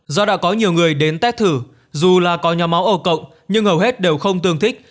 do đã có nhiều người đến test thử dù là có nhóm máu o nhưng hầu hết đều không tương thích